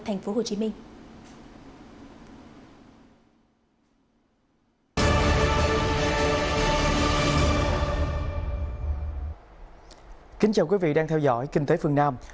xin chào quý vị và các bạn đang theo dõi kinh tế phương nam